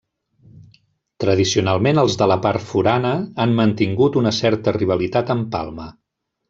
Tradicionalment els de la part forana han mantingut una certa rivalitat amb Palma.